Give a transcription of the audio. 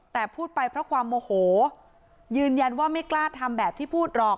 แต่พูดไปเพราะความโมโหยืนยันว่าไม่กล้าทำแบบที่พูดหรอก